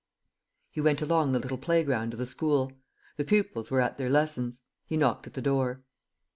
He went along the little playground of the school. The pupils were at their lessons. He knocked at the door.